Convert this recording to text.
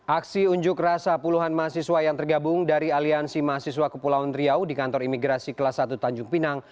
aksi unjuk rasa puluhan mahasiswa yang tergabung dari aliansi mahasiswa kepulauan riau di kantor imigrasi kelas satu tanjung pinang